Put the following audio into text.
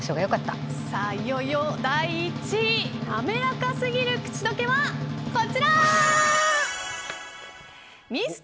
いよいよ第１位なめらかすぎる口溶けはこちら。